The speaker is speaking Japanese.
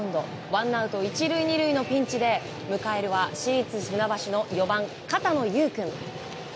ワンアウト１塁２塁のピンチで迎えるは市立船橋の４番、片野優羽君。